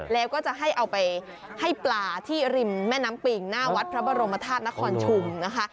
แล้วก็จะให้เอาไปให้ปลาที่ริมแม่น้ำปิงหน้าวัดพระบรมธาตุนครชุมนะคะ